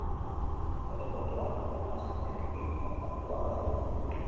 Aireportuak hegazkinarekin kontaktua galdu du.